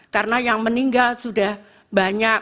karena yang meninggal sudah banyak